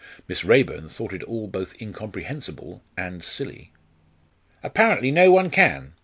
Miss Raeburn thought it all both incomprehensible and silly. "Apparently no one can!"